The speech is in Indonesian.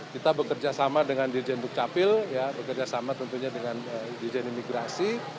kita bekerjasama dengan dirjen bukcapil ya bekerjasama tentunya dengan dirjen imigrasi